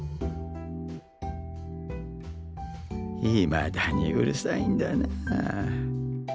いまだにうるさいんだなあ。